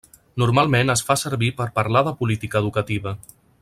Normalment es fa servir per parlar de política educativa.